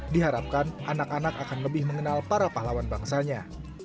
diharapkan anak anak akan lebih mengenal para pahlawan bangsanya